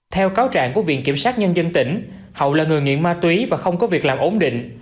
theo cáo trạng của viện kiểm sát nhân dân tỉnh hậu là người nghiện ma túy và không có việc làm ổn định